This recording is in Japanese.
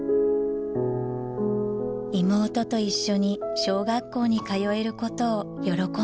［妹と一緒に小学校に通えることを喜んでいました］